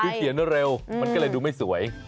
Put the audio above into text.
คือเขียนเร็วมันก็เลยดูไม่สวย